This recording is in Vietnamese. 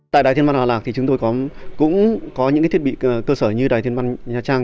tại đài thiên văn hòa lạc thì chúng tôi cũng có những thiết bị cơ sở như đài thiên văn nha trang